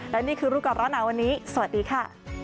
และนี่คือรูปก่อนร้อนหนาวันนี้สวัสดีค่ะ